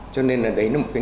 cho nên đấy là một cái